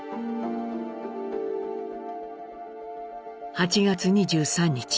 「８月２３日